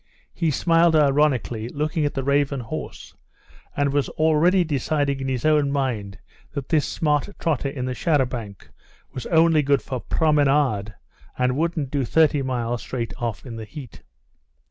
He smiled ironically, looking at the raven horse, and was already deciding in his own mind that this smart trotter in the char à banc was only good for promenage, and wouldn't do thirty miles straight off in the heat.